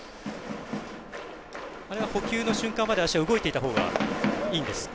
あれは捕球の瞬間まで足は動いていたほうがいいんですか？